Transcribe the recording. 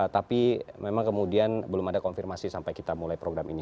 tapi memang kemudian belum ada konfirmasi sampai kita mulai program ini